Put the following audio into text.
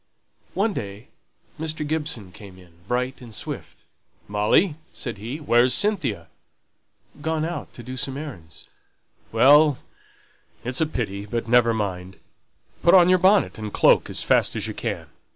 One day Mr. Gibson came in, bright and swift. "Molly," said he, "where's Cynthia?" "Gone out to do some errands " "Well, it's a pity but never mind. Put on your bonnet and cloak as fast as you can.